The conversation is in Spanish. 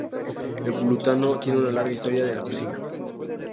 El glutamato tiene una larga historia en la cocina.